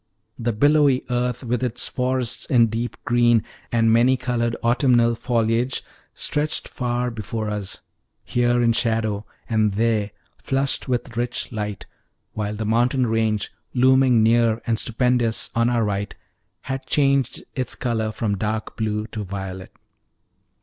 The billowy earth, with its forests in deep green and many colored, autumnal foliage, stretched far before us, here in shadow, and there flushed with rich light; while the mountain range, looming near and stupendous on our right, had changed its color from dark blue to violet.